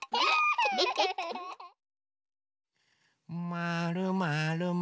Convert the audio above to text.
まるまるまる。